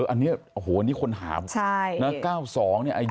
อันนี้คนหานะ๙๒นี่อายุ